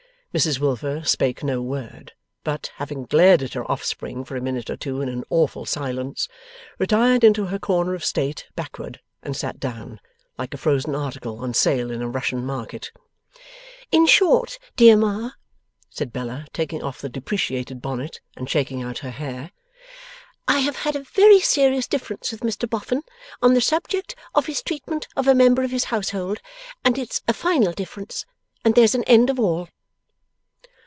Mrs Wilfer spake no word, but, having glared at her offspring for a minute or two in an awful silence, retired into her corner of state backward, and sat down: like a frozen article on sale in a Russian market. 'In short, dear Ma,' said Bella, taking off the depreciated bonnet and shaking out her hair, 'I have had a very serious difference with Mr Boffin on the subject of his treatment of a member of his household, and it's a final difference, and there's an end of all.